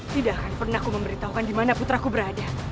tidak akan pernah aku memberitahukan dimana putraku berada